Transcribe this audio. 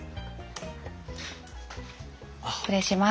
失礼します。